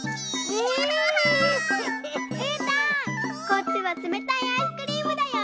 こっちはつめたいアイスクリームだよ。